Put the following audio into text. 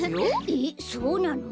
えっそうなの？